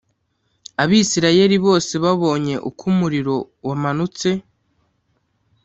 Abisirayeli bose babonye uko umuriro wamanutse